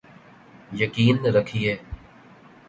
یقین رکھیے۔